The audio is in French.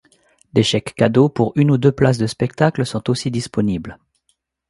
Des chèques cadeaux pour une ou deux places de spectacles sont aussi disponibles.